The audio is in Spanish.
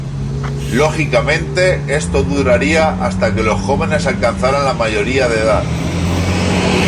Lógicamente, esto duraría hasta que los jóvenes alcanzaran la mayoría de edad.